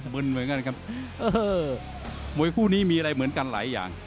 มวยคู่นี้มีอะไรเหมือนกันหลายอย่าง